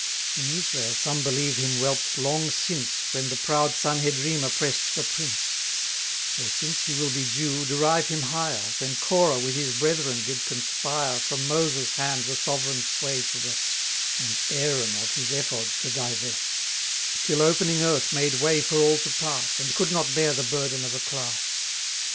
In Israel some believe him whelp'd long since, When the proud Sanhedrim oppress'd the prince; Or, since he will be Jew, derive him higher, When Corah with his brethren did conspire From Moses' hand the sovereign sway to wrest, And Aaron of his ephod to divest: Till opening earth made way for all to pass, And could not bear the burden of a class.